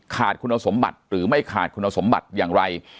ขาดคุณสมบัติหรือไม่ขาดคุณสมบัติอย่างไร